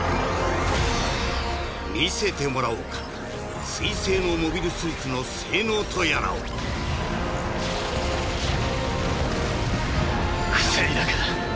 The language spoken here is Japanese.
見せてもらおうか水星のモビルスーツの性能とやらを防いだか。